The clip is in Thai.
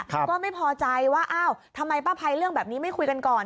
ก็ไม่พอใจว่าอ้าวทำไมป้าภัยเรื่องแบบนี้ไม่คุยกันก่อน